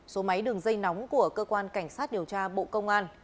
số máy đường dây nóng của cơ quan cảnh sát điều tra bộ công an